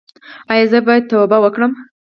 ایا زه باید توبه وکړم؟